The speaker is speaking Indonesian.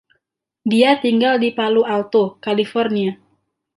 Dia tinggal di Palo Alto, California.